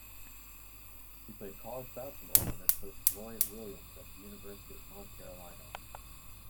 He played college basketball under coach Roy Williams at the University of North Carolina.